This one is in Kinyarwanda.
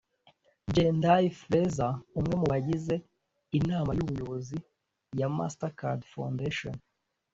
Jendayi Frezer umwe mu bagize inama y’ubuyobozi ya MasterCard Foundation